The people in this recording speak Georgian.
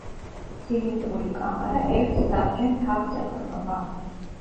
ცილინდრული კამარა ერთ საბჯენ თაღს ეყრდნობა.